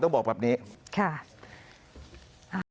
ต้องบอกแบบนี้ค่ะอ่า